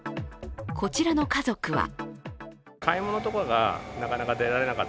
こちらの家族は。